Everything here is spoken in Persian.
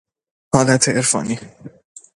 حالت عرفانی